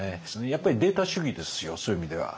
やっぱりデータ主義ですよそういう意味では。